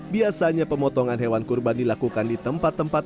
biasanya pemotongan hewan kurban dilakukan di tempat tempat